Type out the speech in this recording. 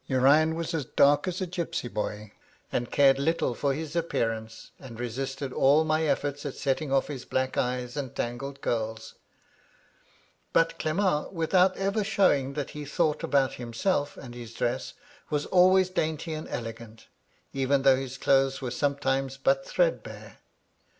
Urian was as dark as a gypsy boy, and cared little for his appearance, and resisted all my efforts at setting off his black eyes and tangled curls; but VOL. I. F 98 MY LADY LUDLOW. Clement, without eyer ahowing that he thought about himself and his dress, was always dainty and elegant, even diough his clothes were sometimes but threadbare.